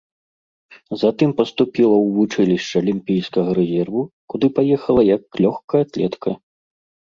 Затым паступіла ў вучылішча алімпійскага рэзерву, куды паехала як лёгкаатлетка.